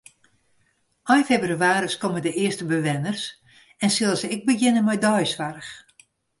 Ein febrewaris komme de earste bewenners en sille se ek begjinne mei deisoarch.